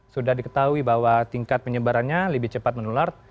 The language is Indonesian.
sudah diketahui bahwa tingkat penyebarannya lebih cepat menular